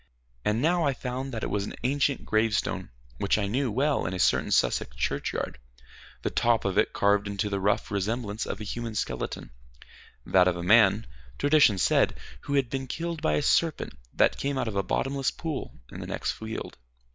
And now I found that it was an ancient gravestone which I knew well in a certain Sussex churchyard, the top of it carved into the rough resemblance of a human skeleton that of a man, tradition said, who had been killed by a serpent that came out of a bottomless pool in the next field.